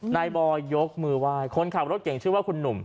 บอยยกมือไหว้คนขับรถเก่งชื่อว่าคุณหนุ่ม